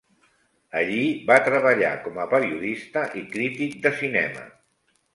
Allí va treballar com a periodista i crític de cinema.